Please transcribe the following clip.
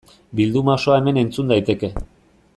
Bilduma osoa hemen entzun daiteke.